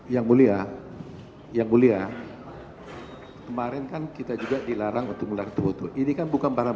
yang mulia yang mulia kemarin kan kita juga dilarang untuk melakukan ini kan bukan barang